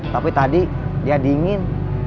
tapi tadi dia dingin